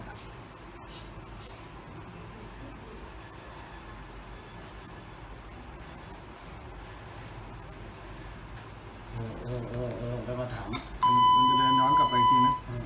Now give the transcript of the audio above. เออเออเออเออแล้วมาถามมันจะเรียนย้อนกลับไปอีกทีน่ะอืม